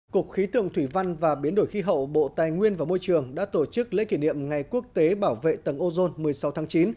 cục khí tượng thủy văn và biến đổi khí hậu bộ tài nguyên và môi trường đã tổ chức lễ kỷ niệm ngày quốc tế bảo vệ tầng ozone một mươi sáu tháng chín